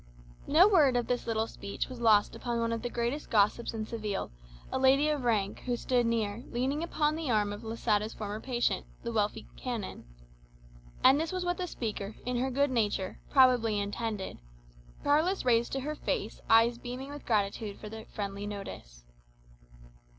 No word of this little speech was lost upon one of the neatest gossips in Seville, a lady of rank, who stood near, leaning on the arm of Losada's former patient, the wealthy Canon. And this was what the speaker, in her good nature, probably intended. Carlos raised to her face eyes beaming with gratitude for the friendly notice.